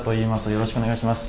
よろしくお願いします。